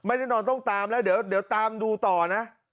แน่นอนต้องตามแล้วเดี๋ยวตามดูต่อนะ